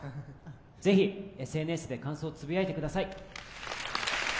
ぜひＳＮＳで感想つぶやいてください